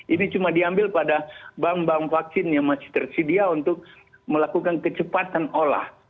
ini cuma diambil pada bank bank vaksin yang masih tersedia untuk melakukan kecepatan olah